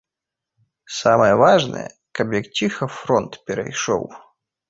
Самае важнае, каб як ціха фронт перайшоў.